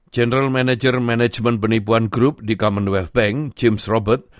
general manager management penipuan grup di commonwealth bank james robert